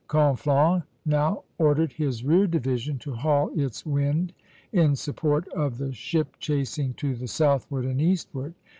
Conflans now ordered his rear division to haul its wind in support of the ship chasing to the southward and eastward.